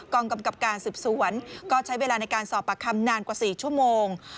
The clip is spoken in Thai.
กำกับการสืบสวนก็ใช้เวลาในการสอบปากคำนานกว่า๔ชั่วโมง